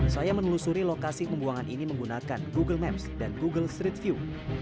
saya menelusuri lokasi pembuangan ini menggunakan google maps dan google street view